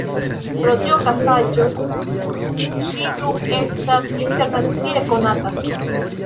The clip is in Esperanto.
Pro tiu okazaĵo ŝi nun estas internacie konata.